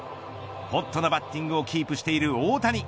ホットなバッティングをキープしている大谷。